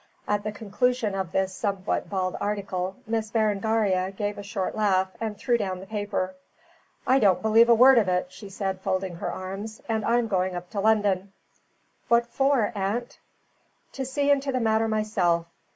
At the conclusion of this somewhat bald article, Miss Berengaria gave a short laugh and threw down the paper. "I don't believe a word of it," she said, folding her arms, "and I'm going up to London." "What for, aunt?" "To see into the matter myself.